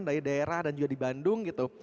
dari daerah dan juga di bandung gitu